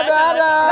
terno ada ada